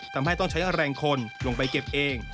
ทำให้ต้องใช้แรงคนลงไปเก็บเอง